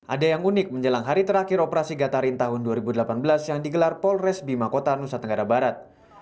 ada yang unik menjelang hari terakhir operasi gatarin tahun dua ribu delapan belas yang digelar polres bima kota nusa tenggara barat